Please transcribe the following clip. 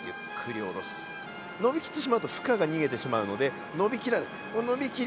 伸びきってしまうと負荷が逃げてしまうので伸びきらない伸びきる